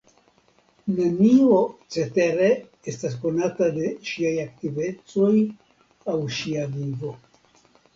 Nenio cetere estas konata de ŝiaj aktivecoj aŭ ŝia vivo.